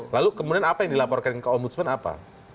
lalu kemudian apa yang dilaporkan ke ombudsman apa